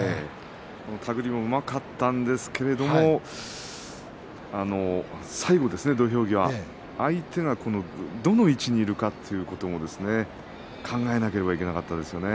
たぐりもうまかったんですけど最後、土俵際相手がどの位置にいるかということを考えなければいけなかったですね。